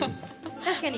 確かに。